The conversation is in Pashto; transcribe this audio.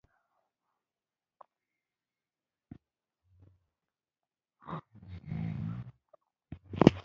پلاستيکي توکي ډېری وخت یو ځل کارېږي.